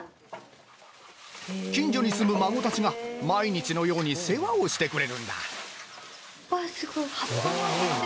近所に住む孫たちが毎日のように世話をしてくれるんだ。